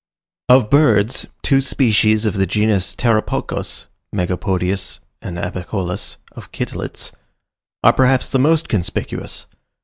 Of birds, two species of the genus Pteroptochos (megapodius and albicollis of Kittlitz) are perhaps the most conspicuous.